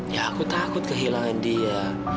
ya aku takut kehilangan dia